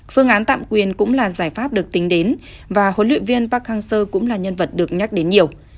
phương án tạm quyền cũng là giải pháp được tính đến và huấn luyện viên park hang seo cũng là nhân vật được nhắc đến nhiều